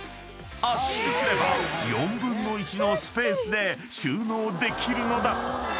［圧縮すれば４分の１のスペースで収納できるのだ］